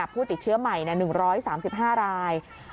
ผู้ติดเชื้อใหม่๑๓๕ราย